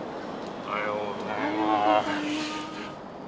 おはようございます。